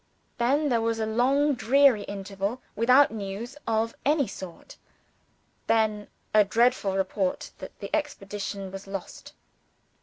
Then, there was a long dreary interval, without news of any sort. Then, a dreadful report that the expedition was lost.